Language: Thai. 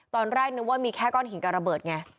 ตอนแรกนึกว่ามีแค่ก้อนหินกับระเบิดไง